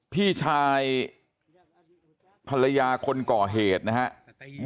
พี่ชายภรรยาคนก่อเหตุนะครับ